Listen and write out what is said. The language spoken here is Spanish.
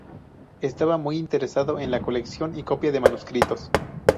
Estaba muy interesado en la colección y copia de manuscritos.